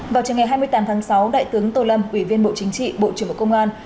vào trường ngày hai mươi tám tháng sáu đại tướng tô lâm ủy viên bộ chính trị bộ trưởng bộ công an